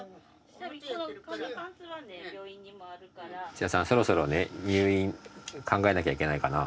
土田さんそろそろね入院考えなきゃいけないかな。